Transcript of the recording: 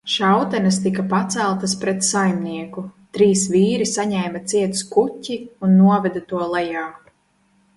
Šautenes tika paceltas pret saimnieku, trīs vīri saņēma ciet skuķi un noveda to lejā.